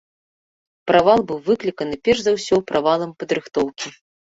Правал быў выкліканы перш за ўсё правалам падрыхтоўкі.